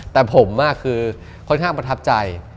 แต่ผมคือค่อนข้างประทับใจ